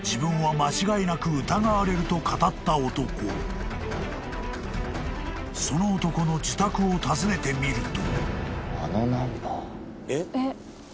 ニトリ［その男の自宅を訪ねてみると］